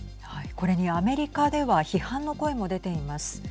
これにアメリカでは批判の声も出ています。